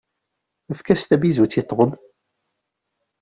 Efk-as tabizut i Tom!